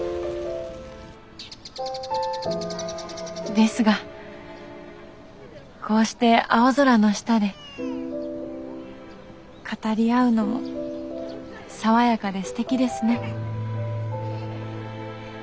ですがこうして青空の下で語り合うのも爽やかですてきですね。